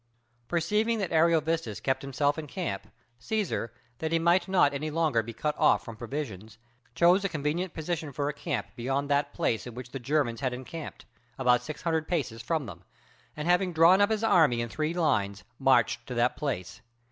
Perceiving that Ariovistus kept himself in camp, Cæsar, that he might not any longer be cut off from provisions, chose a convenient position for a camp beyond that place in which the Germans had encamped, at about six hundred paces from them, and having drawn up his army in three lines, marched to that place.